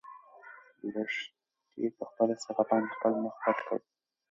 لښتې په خپله صافه باندې خپل مخ پټ کړ.